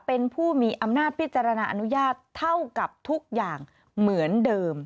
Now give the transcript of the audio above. เป็นผู้มีอำนาจพิจารณาอนุญาตเท่ากับทุกอย่างเหมือนเดิม